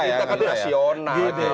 kita harus rasional